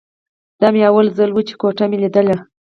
دا مې اول ځل و چې کوټه مې ليدله.